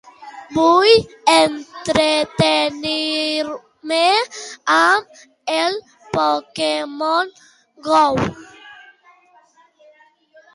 Vull entretenir-me amb el "Pokémon Go".